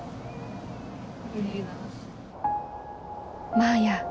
［マーヤ